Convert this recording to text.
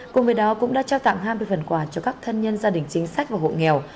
cùng với đó cũng đã trao tặng hai mươi phần quà cho các thân nhân gia đình chính sách và hộ nghèo